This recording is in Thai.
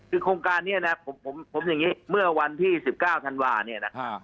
คือโครงการเนี่ยนะครับผมผมผมอย่างงี้เมื่อวันที่สิบเก้าธันวาร์เนี่ยนะฮะ